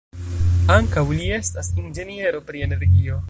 Ankaŭ li estas inĝeniero pri energio.